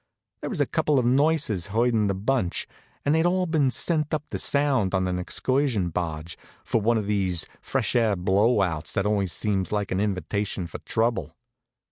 There was a couple of nurses herdin' the bunch, and they'd all been sent up the Sound on an excursion barge, for one of these fresh air blow outs that always seem like an invitation for trouble.